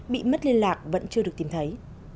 bị mất liên lạc vẫn chưa được tìm thấy